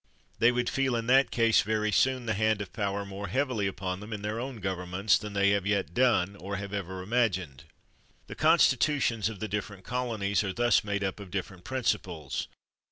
They would feel in that case very soon the hand of power more heavy upon them in their own governments, than they have yet done or have ever imagined. The constitutions of the different colonies are thus made up of different principles.